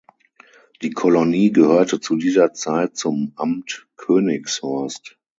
Die Kolonie gehörte zu dieser Zeit zum Amt Königshorst.